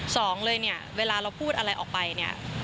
สองเลยเนี่ยเวลาเราพูดอะไรออกไปเนี่ย